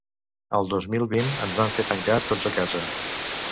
Al dos mil vint ens van fer tancar tots a casa